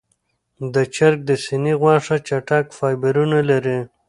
د چرګ د سینې غوښه چټک فایبرونه لري.